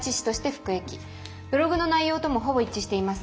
ブログの内容ともほぼ一致しています。